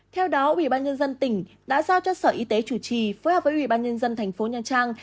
theo đó ủy ban nhân dân tỉnh đã giao cho sở y tế chủ trì phối hợp với ủy ban nhân dân thành phố nha trang